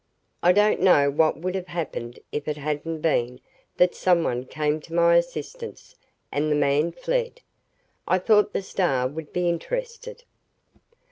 I don't know what would have happened if it hadn't been that someone came to my assistance and the man fled. I thought the Star would be interested."